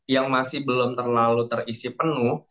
yang masih belum terlalu terisi penuh